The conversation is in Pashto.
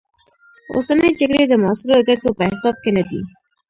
اوسنۍ جګړې د معاصرو ګټو په حساب کې نه دي.